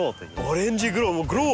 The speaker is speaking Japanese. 「オレンジグロー」グロー！